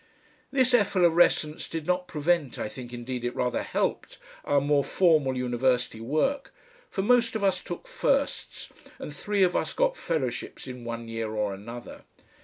This efflorescence did not prevent, I think indeed it rather helped, our more formal university work, for most of us took firsts, and three of us got Fellowships in one year or another.